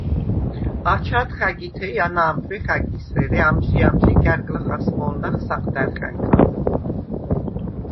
აჩადხ ა̈გითე ი ანა̄მბვეხ ა̈გის, ერე ამჟი-ამჟი, გა̈რგლა ხასმო̄ლნახ საყდა̈რხა̈ნქა.